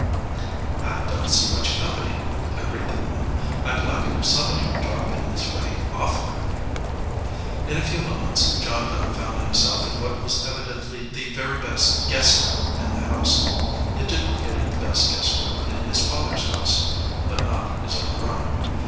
"I don t see much company," agreed the woman. "I d like it if somebody would drop in this way oftener." In a few moments John Dunn found himself in what was evidently the very best guest room in the house. It duplicated the best guest room in his father s house but not his own room.